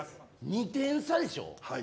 ２点差でしょ。